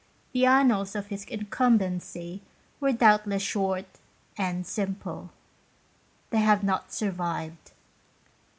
The annals of his incumbency were doubtless short and simple : they have not survived.